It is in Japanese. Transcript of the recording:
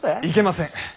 いけません。